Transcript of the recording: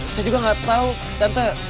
saya juga gak tau tante